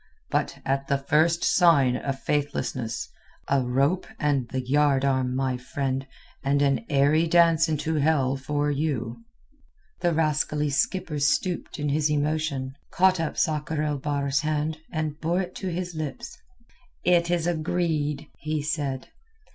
But at the first sign of faithlessness, a rope and the yard arm, my friend, and an airy dance into hell for you." The rascally skipper stooped in his emotion, caught up Sakr el Bahr's hand and bore it to his lips. "It is agreed," he said.